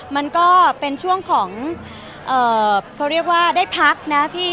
มันก็เป็นช่วงของเขาเรียกว่าได้พักนะพี่